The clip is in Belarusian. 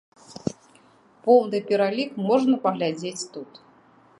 Поўны пералік можна паглядзець тут.